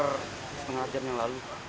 setengah jam yang lalu